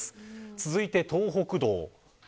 続いて、東北道。